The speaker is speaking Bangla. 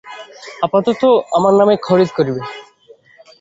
আপাতত আমার নামে খরিদ করিবে।